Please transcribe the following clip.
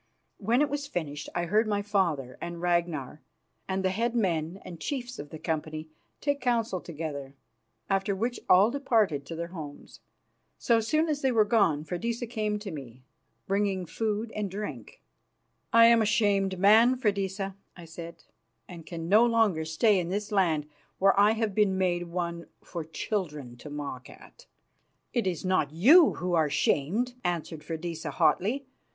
When it was finished I heard my father and Ragnar and the head men and chiefs of the company take counsel together, after which all departed to their homes. So soon as they were gone Freydisa came to me, bringing food and drink. "I am a shamed man, Freydisa," I said, "and can no longer stay in this land where I have been made one for children to mock at." "It is not you who are shamed," answered Freydisa hotly.